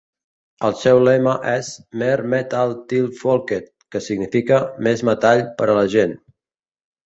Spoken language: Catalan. El seu lema és "Mer metal til folket", que significa "Més metall per a la gent".